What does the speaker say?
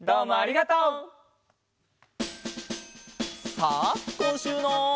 さあこんしゅうの。